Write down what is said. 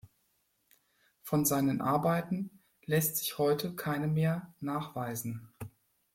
Von seinen Arbeiten lässt sich heute keine mehr nachweisen.